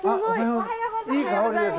おはようございます。